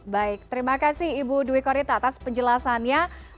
baik terima kasih ibu dwi korita atas penjelasannya